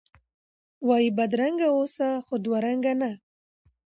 وایی بدرنګه اوسه، خو دوه رنګه نه!